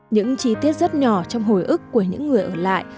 những chi tiết rất nhỏ trong hồi ức của những người ở lại